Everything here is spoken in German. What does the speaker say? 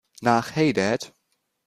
Nach "Hey Dad!